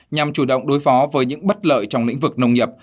nhằm chủ động đối phó với những bất lợi trong lĩnh vực nông nghiệp